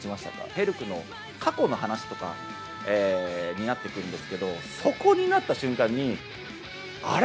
ヘルクの過去の話とかになってくるんですけれども、そこになった瞬間に、あれ？